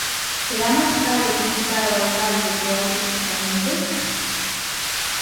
Será mais caro criticar ao Alcalde que a outros estamentos?